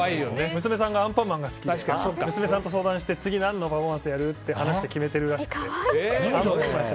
娘さんが「アンパンマン」が好きで娘さんと相談して次、何のパフォーマンスをやるか話してから決めてるらしくて。